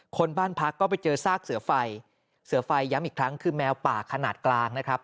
คนบ้านพักก็ไปเจอซากเสือไฟเสือไฟย้ำอีกครั้งคือแมวป่าขนาดกลางนะครับ